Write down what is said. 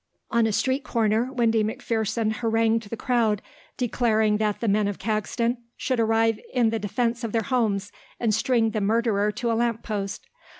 On a street corner Windy McPherson harangued the crowd declaring that the men of Caxton should arise in the defence of their homes and string the murderer to a lamp post.